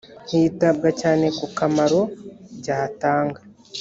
hitabwa cyane ku kamaro byatanga